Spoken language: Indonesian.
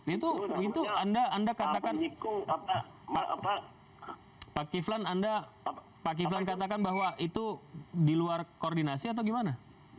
itu anda katakan pak kiflan pak kiflan katakan bahwa itu di luar koordinasi atau gimana